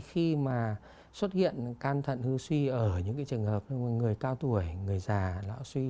khi mà xuất hiện can thận hư suy ở những cái trường hợp người cao tuổi người già lão suy